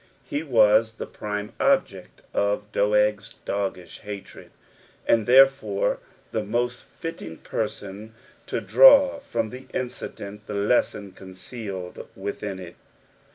}{e vxu the prime ob)ed of Doeg's doggish hatred, and therefore the mostfiUiiuj person to draafrom the incident the tenson coneeoUd idtlUn il.